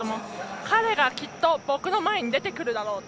彼がきっと僕の前に出てくるだろうと。